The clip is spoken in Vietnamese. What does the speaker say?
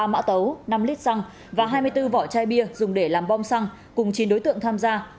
ba mã tấu năm lít xăng và hai mươi bốn vỏ chai bia dùng để làm bom xăng cùng chín đối tượng tham gia